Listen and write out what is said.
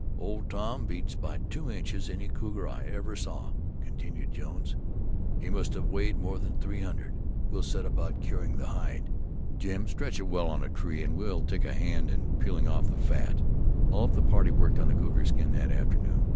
"Old Tom beats, by two inches, any cougar I ever saw," continued Jones. "He must have weighed more than three hundred. We'll set about curing the hide. Jim, stretch it well on a tree, and we'll take a hand in peeling off the fat." All of the party worked on the cougar skin that afternoon.